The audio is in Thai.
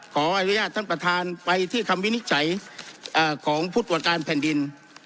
ขออนุญาตท่านประธานไปที่คำวินิจฉัยของผู้ตรวจการแผ่นดิน